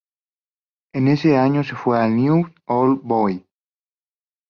En ese año se fue al Newell's Old Boys.